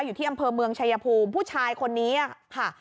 อยู่ที่อำเภอเมืองชายภูมิผู้ชายคนนี้ค่ะ